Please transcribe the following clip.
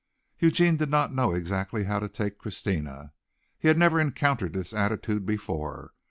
Eugene did not know exactly how to take Christina. He had never encountered this attitude before.